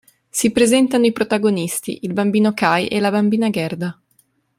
Si presentano i protagonisti, il bambino Kay e la bambina Gerda.